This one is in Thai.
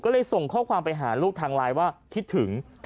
ก็เลยส่งข้อความไปหาลูกทางไลน์ว่าคิดถึง